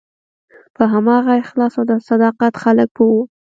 په همدغه اخلاص او صداقت خلک پوه وو.